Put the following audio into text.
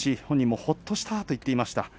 本人もほっとしたと言っていました。